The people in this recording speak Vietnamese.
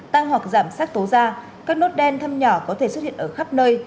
tăng hoặc giảm sắc tố da các nốt đen thâm nhỏ có thể xuất hiện ở khắp nơi